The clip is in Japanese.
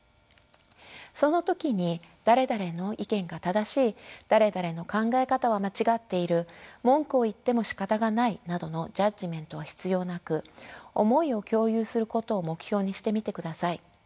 その時に誰々の意見が正しい誰々の考え方は間違っている文句を言ってもしかたがないなどのジャッジメントは必要なく思いを共有することを目標にしてみてください。